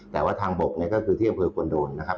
แต่ว่าทางบกเนี่ยก็คือที่อำเภอควรโดนนะครับ